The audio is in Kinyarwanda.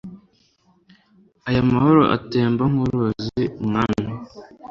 aya mahoro atemba nk'uruzi, mwami